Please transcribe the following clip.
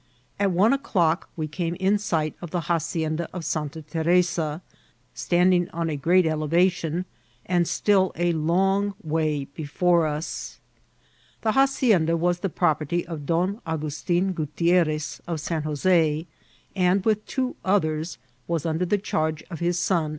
At one o'clock we came in sight <^ the haci enda of Santa Teresa, standing on a great elevation, and still a long way before us. The hacienda was the property of Don Augustin Gutierres of San Jos6, and, with two others, was under the charge of his son